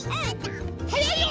はやいよ！